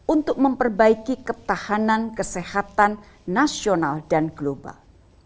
untuk memperbaiki ketahanan kesehatan nasional dan global